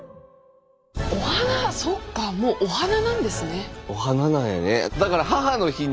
お花そっかもうお花なんやね。